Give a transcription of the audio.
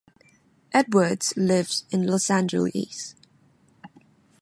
Edwards lives in Los Angeles.